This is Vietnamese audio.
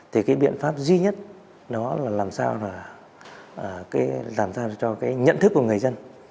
thì cái biện pháp duy nhất là làm sao cho cái nhận thức của người dân